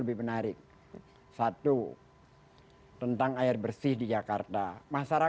oke mas anies kemarin gak menyampaikan gagasan